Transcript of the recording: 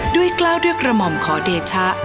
กล้าวด้วยกระหม่อมขอเดชะ